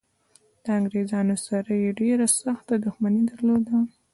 د انګریزانو سره یې ډېره سخته دښمني درلوده.